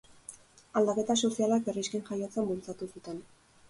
Aldaketa sozialek herrixken jaiotzan bultzatu zuten.